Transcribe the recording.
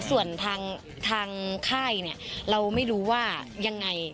ส่วนทางค่ายเนี่ยเราไม่รู้ว่ายังไง